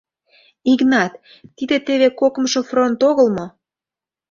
Игнат, тиде теве кокымшо фронт огыл мо?